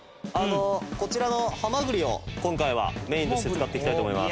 こちらのハマグリを今回はメインとして使っていきたいと思います。